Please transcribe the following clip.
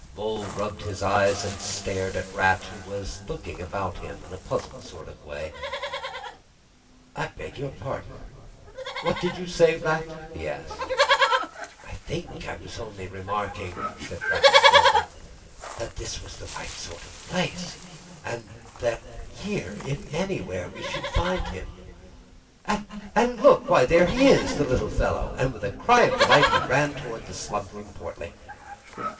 Mole rubbed his eyes and stared at Rat, who was looking about him in a puzzled sort of way. "I beg your pardon; what did you say, Rat?" he asked. "I think I was only remarking," said Rat slowly, "that this was the right sort of place, and that here, if anywhere, we should find him. And look! Why, there he is, the little fellow!" And with a cry of delight he ran towards the slumbering Portly.